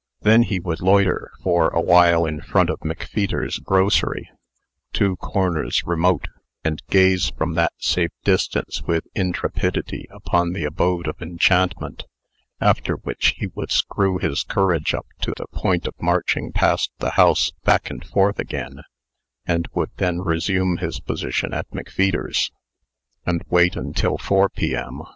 Then he would loiter for a while in front of McFeeter's grocery, two corners remote, and gaze from that safe distance with intrepidity upon the abode of enchantment; after which he would screw his courage up to the point of marching past the house back and forth again, and would then resume his position at McFeeter's, and wait until four P.M.